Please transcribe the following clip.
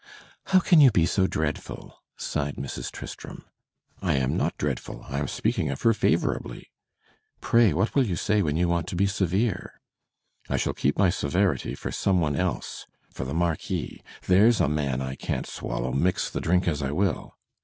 * "*How can you be so dreadful?' sighed Mrs. Tristram. "*I am not dreadful. I am speaking of her favourably.' Pray what will you say when you want to be severe?' "*I shall keep my severity for some one else — for the marquis. There's a man I can't swallow, mix the drink as I will.'